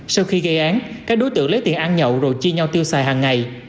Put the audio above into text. sau khi gây án các đối tượng lấy tiền ăn nhậu rồi chia nhau tiêu xài hàng ngày